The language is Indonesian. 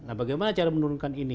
nah bagaimana cara menurunkan ini